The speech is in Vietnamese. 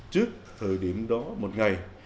trước thời điểm đó một ngày